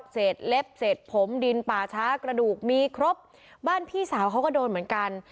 เศษเล็บเศษผมดินป่าช้ากระดูกมีครบบ้านพี่สาวเขาก็โดนเหมือนกัน